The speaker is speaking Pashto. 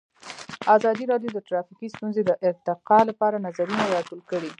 ازادي راډیو د ټرافیکي ستونزې د ارتقا لپاره نظرونه راټول کړي.